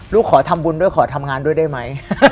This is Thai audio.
ขอทำบุญด้วยขอทำงานด้วยได้ไหม